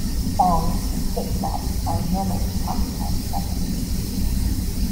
Thongs and flip flops are normally classified separately.